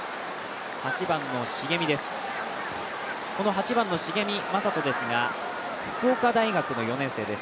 ８番の重見柾斗ですが、福岡大学の４年生です。